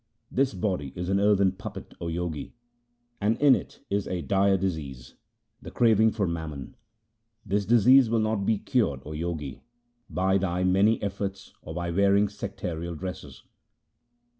This body is an earthen puppet, O Jogi, and in it is a dire disease — the craving for mammon. This disease will not be cured, O Jogi, by thy many efforts or by wearing sectarial dresses.